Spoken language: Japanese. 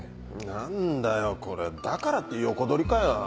何だよこれだからって横取りかよ。